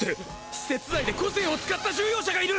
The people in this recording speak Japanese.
施設内で個性を使った収容者がいる！